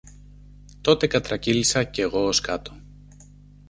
Τότε κατρακύλησα κι εγώ ως κάτω